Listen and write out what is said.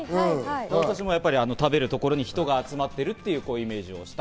私も食べるところに人が集まっているというイメージをしました。